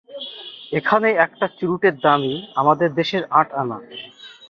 এখানে একটা চুরুটের দামই আমাদের দেশের আট আনা।